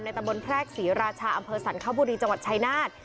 ในตะบนแพร่กศรีราชาอำเภอสรรค์ข้าวบุรีจังหวัดชายนาฏ